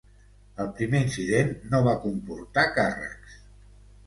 El primer incident no va comportar càrrecs.